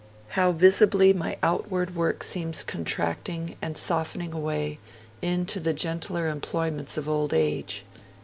How visibly my outward work seems contracting and softening away into the gentler employments of old age.